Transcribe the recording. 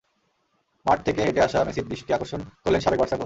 মাঠ থেকে হেঁটে আসা মেসির দৃষ্টি আকর্ষণ করলেন সাবেক বার্সা কোচ।